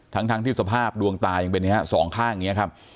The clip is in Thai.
ทั้งที่สภาพดวงตายอย่างเป็นอย่างนี้ครับ๒ข้างอย่างนี้ครับ